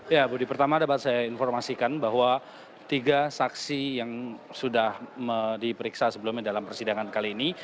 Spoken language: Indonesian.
ya budi pertama dapat saya informasikan bahwa tiga saksi yang sudah diperiksa sebelumnya dalam persidangan kali ini